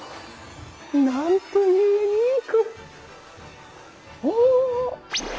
なんてユニーク！